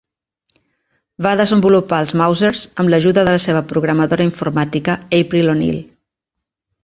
Va desenvolupar els "Mousers" amb l'ajuda de la seva programadora informàtica April O'Neil.